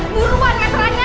buruan metranya ya